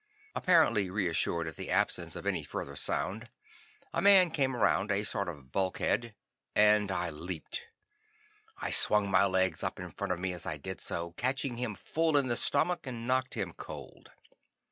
Apparently reassured at the absence of any further sound, a man came around a sort of bulkhead and I leaped. I swung my legs up in front of me as I did so, catching him full in the stomach and knocked him cold.